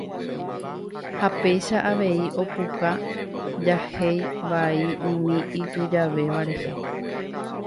ha péicha avei opuka jahéi vai umi itujavéva rehe.